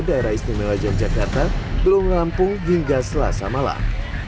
daerah istimewa yogyakarta belum rampung hingga selasa malam